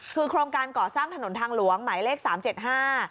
คือโครงการเกาะสร้างถนนทางหลวงหมายเละ๓๗๕